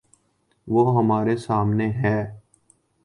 وہ ہمارے سامنے ہے۔